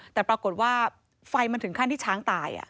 แต่ปรากฏว่าไฟมันถึงขั้นที่ช้างตาย